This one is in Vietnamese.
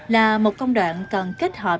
là một công đoạn cần kết hợp